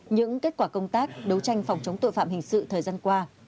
những kết quả công tác đấu tranh phòng chống tội phạm hình sự thời gian qua